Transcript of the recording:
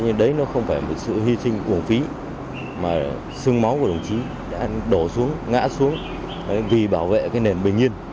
nhưng đấy nó không phải một sự hy sinh uổng phí mà sưng máu của đồng chí đã đổ xuống ngã xuống vì bảo vệ cái nền bình yên